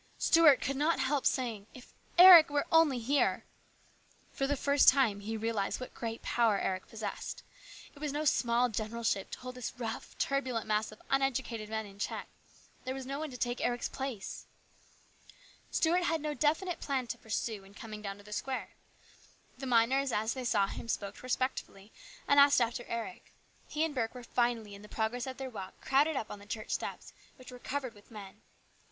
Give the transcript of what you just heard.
Stuart could not help saying, " If Eric were only here !" For the first time he realised what great power Eric had possessed. It was no small general ship to hold this rough, turbulent mass of uneducated men in check. There was no one to take Eric's place. Stuart had no definite plan to pursue in coming down to the square. The miners as they saw him spoke respectfully, and asked after Eric. He and Burke were finally, in the progress of their walk, crowded up on the church steps, which were covered with men.